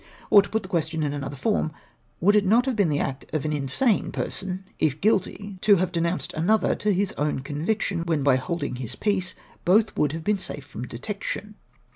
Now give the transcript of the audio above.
Or, to put the question in another form — would it not have been the act of an insane "person, if guilty, to have denounced another to his own conviction, when by hokhng his peace both would have been safe from detection